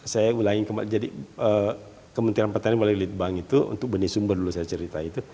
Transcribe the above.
saya ulangi jadi kementerian pertanian dan balai lidbang itu untuk benih sumber dulu saya ceritain itu